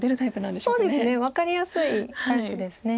そうですね分かりやすいタイプですね。